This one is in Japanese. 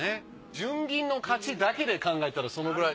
純銀の価値だけで考えたらそのくらい。